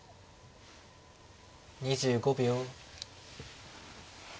２５秒。